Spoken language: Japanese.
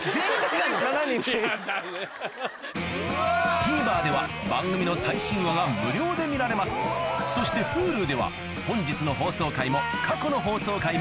ＴＶｅｒでは番組の最新話が無料で見られますそしてＨｕｌｕでは本日の放送回も過去の放送回もいつでもどこでも見られます